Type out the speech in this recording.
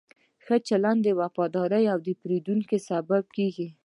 ښه چلند د وفادار پیرودونکو سبب کېږي.